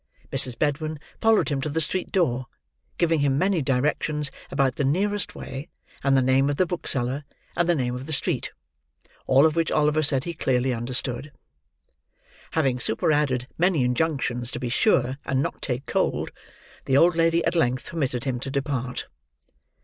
Mrs. Bedwin followed him to the street door, giving him many directions about the nearest way, and the name of the bookseller, and the name of the street: all of which Oliver said he clearly understood. Having superadded many injunctions to be sure and not take cold, the old lady at length permitted him to depart.